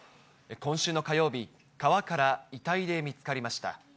今週の火曜日、川から遺体で見つかりました。